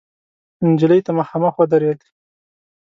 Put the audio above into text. نجلۍ ته مخامخ ودرېد.